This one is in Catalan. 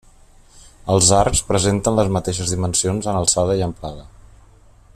Els arcs presenten les mateixes dimensions en alçada i amplada.